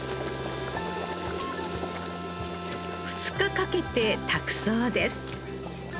２日かけて炊くそうです。